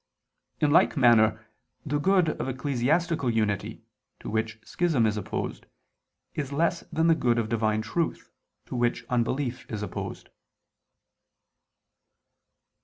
In like manner the good of ecclesiastical unity, to which schism is opposed, is less than the good of Divine truth, to which unbelief is opposed.